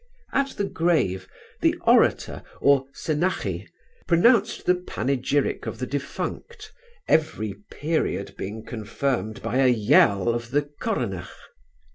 At the grave, the orator, or senachie, pronounced the panegyric of the defunct, every period being confirmed by a yell of the coronach.